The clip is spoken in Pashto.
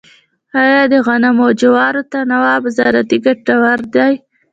آیا د غنمو او جوارو تناوب زراعتي ګټور دی؟